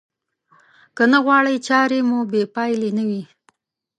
که نه غواړئ چارې مو بې پايلې نه وي.